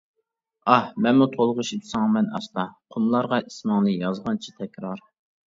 ئاھ مەنمۇ تولغىشىپ سىڭىمەن ئاستا، قۇملارغا ئىسمىڭنى يازغانچە تەكرار.